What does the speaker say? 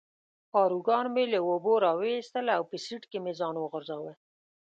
پاروګان مې له اوبو را وویستل او په سیټ کې مې ځان وغورځاوه.